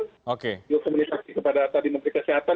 pemerintah pemerintah tadi kepada menteri kesehatan